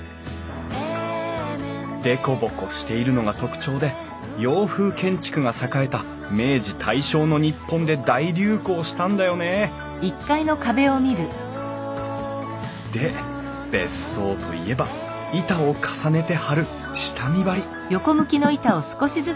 デコボコしているのが特徴で洋風建築が栄えた明治大正の日本で大流行したんだよねで別荘といえば板を重ねて張る下見張り